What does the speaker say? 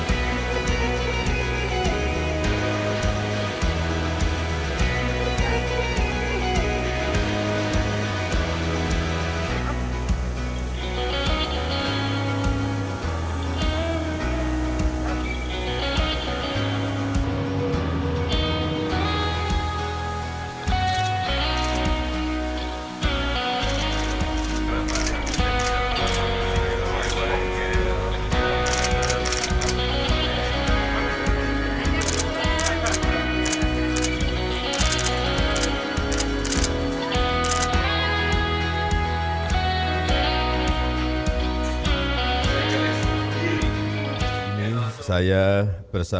ini saya bersama dengan ibu negara